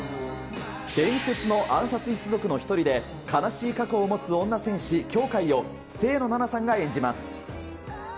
伝説の暗殺一族の一人で、悲しい過去を持つ女戦士、羌かいを清野菜名さんが演じます。